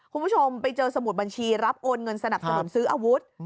คุณผู้ชมไปเจอสมุดบัญชีรับโอนเงินสนับสนุนซื้ออาวุธ